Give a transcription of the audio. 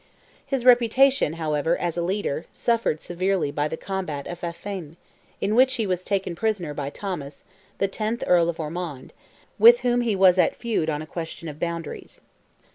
His reputation, however, as a leader, suffered severely by the combat of Affane, in which he was taken prisoner by Thomas, the tenth Earl of Ormond, with whom he was at feud on a question of boundaries.